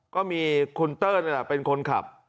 ก็มีคุณเตอร์เป็นคนขับ